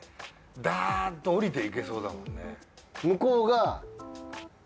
ダーッと下りていけそうだもんね。